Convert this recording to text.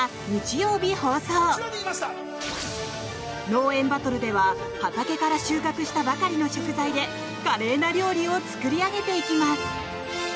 農園バトルでは畑から収穫したばかりの食材で華麗な料理を作り上げていきます。